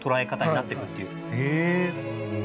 へえ。